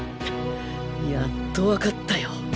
やっとわかったよ